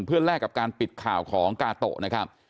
เพื่อแลกกับการปิดข่าวของกาโตะนะครับ